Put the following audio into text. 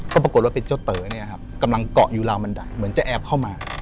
ก็ปรากฏว่าเป็นเจ้าเต๋อเนี่ยครับกำลังเกาะอยู่ราวบันไดเหมือนจะแอบเข้ามา